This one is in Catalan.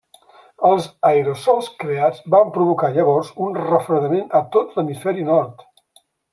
Els aerosols creats van provocar llavors un refredament a tot l'Hemisferi nord.